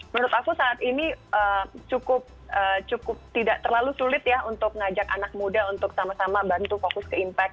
menurut aku saat ini cukup tidak terlalu sulit ya untuk mengajak anak muda untuk sama sama bantu fokus ke impact